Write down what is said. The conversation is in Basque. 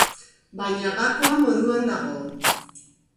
Baina gakoa moduan dago.